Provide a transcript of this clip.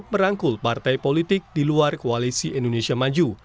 merangkul partai politik di luar koalisi indonesia maju